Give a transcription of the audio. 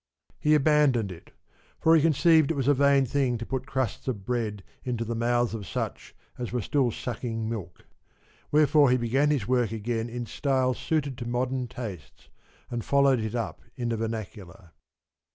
he abandoned it ; for he conceived it was a vain thing to put crusts of bread into the mouths of such as were still sucking milk ; wherefore he began his work again in style suited to modern tastes, and followed it up in the vernacular.